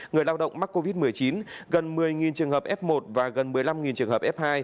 người lao động mắc covid một mươi chín gần một mươi trường hợp f một và gần một mươi năm trường hợp f hai